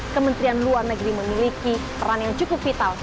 kementerian luar negeri memiliki peran yang cukup vital